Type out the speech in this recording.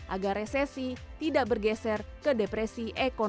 agar resesi tidak bergeser ke depresi ekonomi